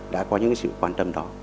đã có những sự quan tâm đó